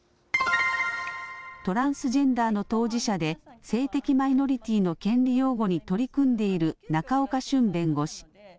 トランスジェンダーの当事者で、性的マイノリティーの権利擁護に取り組んでいる仲岡しゅん弁護士。